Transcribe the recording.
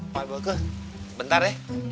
pak boyka bentar ya